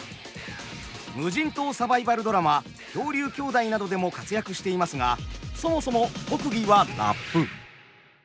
無人島サバイバルドラマ「漂流兄妹」などでも活躍していますがそもそも特技はラップ。